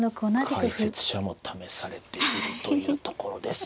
解説者も試されているというところです。